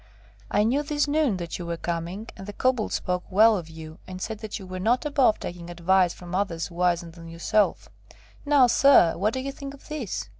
I knew this noon that you were coming, and the Kobold spoke well of you, and said that you were not above taking advice from others wiser than yourself. Now, sir! What do you think of this?"